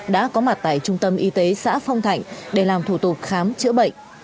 đã có mặt tại trung tâm y tế xã phong thạnh để làm thủ tục khám chữa bệnh